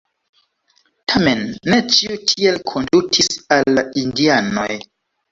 Tamen ne ĉiu tiel kondutis al la indianoj.